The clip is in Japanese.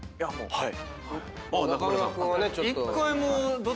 はい。